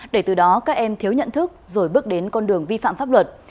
để từ đó các em thiếu nhận thức rồi bước đến con đường vi phạm pháp luật